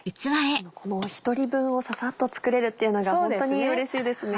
この１人分をササっと作れるっていうのがホントにうれしいですね。